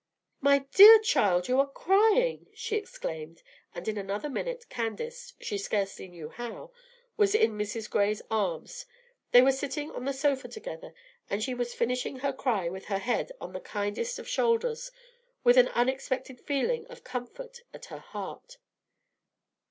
"My dear child, you are crying," she exclaimed; and in another minute Candace, she scarcely knew how, was in Mrs. Gray's arms, they were sitting on the sofa together, and she was finishing her cry with her head on the kindest of shoulders and an unexpected feeling of comfort at her heart.